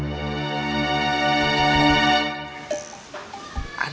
tidak tidak tidak